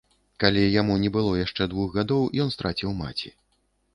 Калі яму не было яшчэ двух гадоў, ён страціў маці.